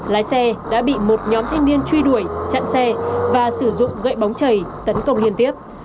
lái xe đã bị một nhóm thanh niên truy đuổi chặn xe và sử dụng gậy bóng chảy tấn công liên tiếp